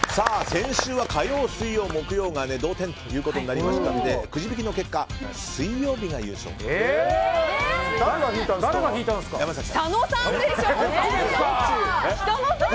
先週は火曜、水曜、木曜が同点となりましたのでくじ引きの結果、水曜日が優勝と。